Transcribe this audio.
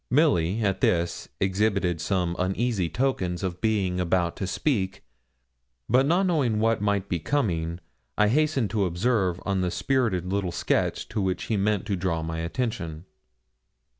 Milly at this exhibited some uneasy tokens of being about to speak, but not knowing what might be coming, I hastened to observe on the spirited little sketches to which he meant to draw my attention.